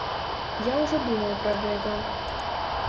Я ўжо думаў пра гэта.